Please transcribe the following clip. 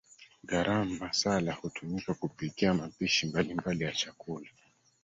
Garam Masala hutumika kupikia mapishi mbalimbali ya chakula